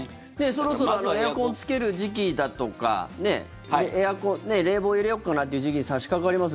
そろそろエアコンつける時期だとか冷房入れよっかなっていう時期に差しかかります。